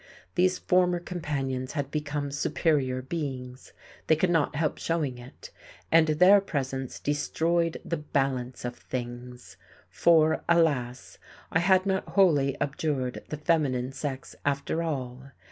These former companions had become superior beings, they could not help showing it, and their presence destroyed the Balance of Things. For alas, I had not wholly abjured the feminine sex after all!